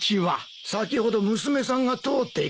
先ほど娘さんが通っていかれましたよ。